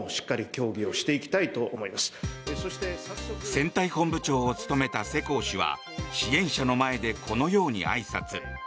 選対本部長を務めた世耕氏は支援者の前でこのようにあいさつ。